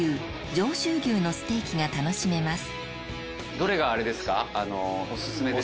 上州牛のステーキが楽しめます